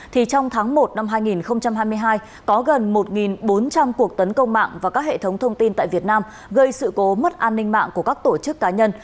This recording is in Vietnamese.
thì trong tháng một năm hai nghìn hai mươi hai có gần một bốn trăm linh cuộc tấn công mạng và các hệ thống thông tin tại việt nam gây sự cố mất an ninh mạng của các tổ chức cá nhân